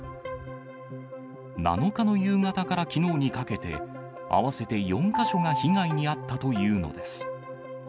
７日の夕方からきのうにかけて、合わせて４か所が被害に遭ったというのです。